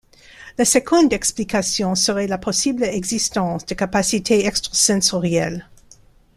La seconde explication serait la possible existence de capacités extra-sensorielles.